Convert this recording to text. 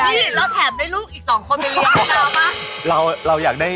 พี่เราแถมได้ลูกอีก๒คนไปเลี้ยงในรอบบ้า